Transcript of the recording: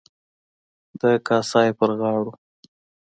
د کاسای پر غاړو.